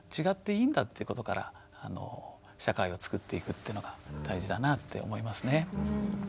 違っていいんだということから社会を作っていくというのが大事だなって思いますね。